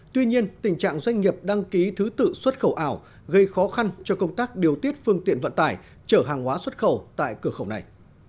tuy nhiên tình trạng doanh nghiệp đăng ký thứ tự xuất khẩu ảo gây khó khăn cho công tác điều tiết phương tiện vận tải chở hàng hóa xuất khẩu tại cửa khẩu này